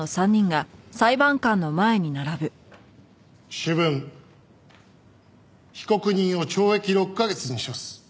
主文被告人を懲役６カ月に処す。